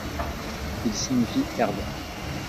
Il signifie herbe.